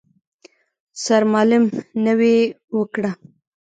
سرمالم نوې وکړه.